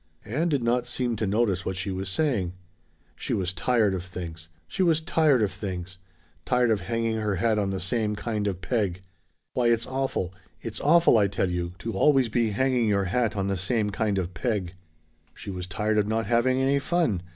Ann did not seem to notice what she was saying. "She was tired of things! She was tired of things! Tired of hanging her hat on the same kind of peg! Why it's awful it's awful, I tell you to always be hanging your hat on the same kind of peg! "She was tired of not having any fun!